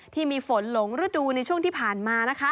ที่มีฝนหลงระดูในช่วงที่ผ่านมา